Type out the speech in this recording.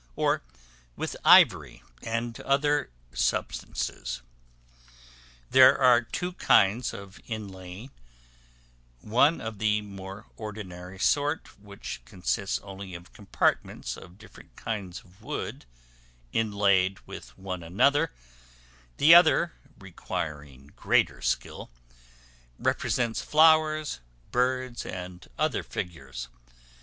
or with ivory, and other substances. There are two kinds of inlaying; one, of the more ordinary sort, which consists only of compartments of different kinds of wood, inlaid with one another; the other, requiring greater skill, represents flowers, birds, and other figures.